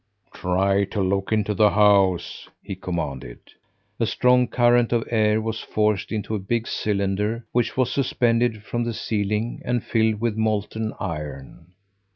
"Try to look into the house!" he commanded. A strong current of air was forced into a big cylinder which was suspended from the ceiling and filled with molten iron.